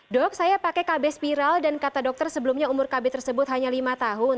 dok saya pakai kb spiral dan kata dokter sebelumnya umur kb tersebut hanya lima tahun